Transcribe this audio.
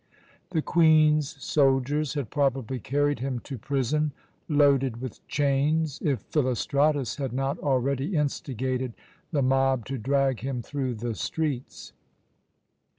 The Queen's soldiers had probably carried him to prison, loaded with chains, if Philostratus had not already instigated the mob to drag him through the streets.